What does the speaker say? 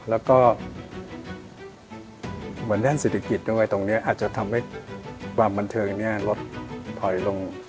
และเป็นแด้นศิษย์สิทธิกิจด้วยอาจจะทำให้ความบรรเทิงลดถอยลง